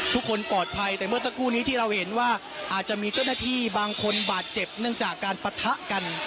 ทุกคนปลอดภัยแต่เมื่อสักครู่นี้ที่เราเห็นว่าอาจจะมีเจ้าหน้าที่บางคนบาดเจ็บเนื่องจากการปะทะกัน